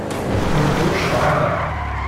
Ur k-ɣucceɣ ara.